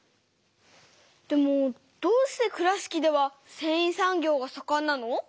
でもどうして倉敷ではせんい産業がさかんなの？